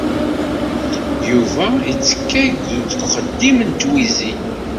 Yuba yettekkay deg uxeddim n twizi.